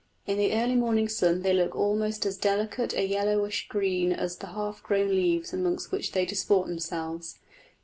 In the early morning sun they look almost as delicate a yellowish green as the half grown leaves amongst which they disport themselves.